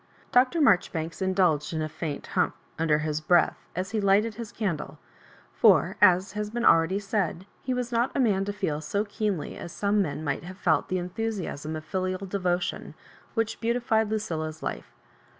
Dr. Marjoribanks indulged in a faint ^ humph," under his breath, as he lighted his candle ; for, as has been already said, he was not a man to feel BO keenly as some men might have felt the enthu siasm of filial devotion which beautified Lucilla's life.